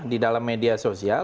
di dalam media sosial